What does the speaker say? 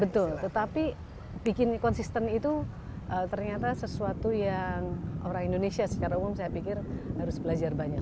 betul tetapi bikin konsisten itu ternyata sesuatu yang orang indonesia secara umum saya pikir harus belajar banyak